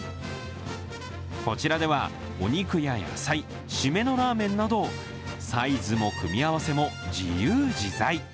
こちらではお肉や野菜締めのラーメンなどサイズも組み合わせも自由自在。